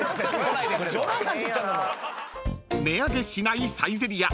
［値上げしないサイゼリヤ。